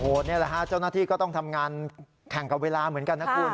อ่อเฮ่อเนี้ยค่ะเจ้าหน้าที่ก็ต้องทำงานถังกับเวลาเหมือนกันนะคุณ